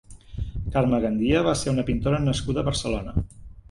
Carme Gandia va ser una pintora nascuda a Barcelona.